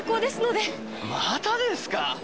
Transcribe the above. またですか？